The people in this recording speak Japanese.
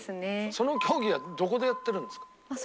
その競技はどこでやってるんですか？